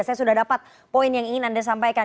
saya sudah dapat poin yang ingin anda sampaikan